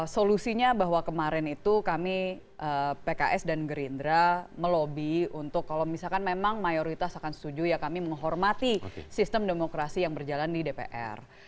solusinya bahwa kemarin itu kami pks dan gerindra melobi untuk kalau misalkan memang mayoritas akan setuju ya kami menghormati sistem demokrasi yang berjalan di dpr